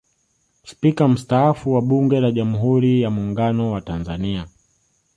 Spika mstaafu wa Bunge la Jamhuri ya Muungano wa Tanzania